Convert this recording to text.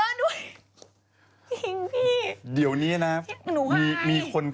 จริงพี่เดี๋ยวนี้นะหนูอาย